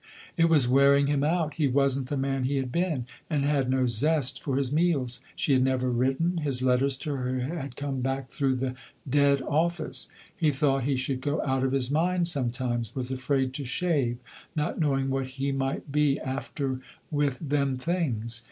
It was wearing him out; he wasn't the man he had been, and had no zest for his meals. She had never written; his letters to her had come back through the "Dead Office." He thought he should go out of his mind sometimes; was afraid to shave, not knowing what he might be after with "them things."